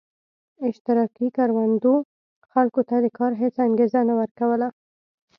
اشتراکي کروندو خلکو ته د کار هېڅ انګېزه نه ورکوله.